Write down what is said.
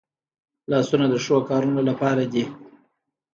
لاسونه د ښو کارونو لپاره دي